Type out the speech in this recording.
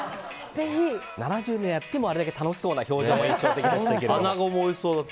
７０年やってもあれだけ楽しそうな表情も印象的でした。